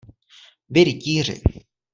Vy rytíři!